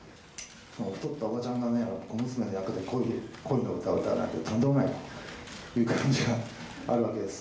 太ったおばちゃんが小娘の役で恋の歌を歌うなんてとんでもないという感じがあるわけです。